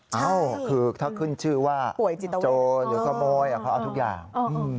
ใช่ถ้าขึ้นชื่อว่าโจรหรือความป่อยเค้าเอาทุกอย่าง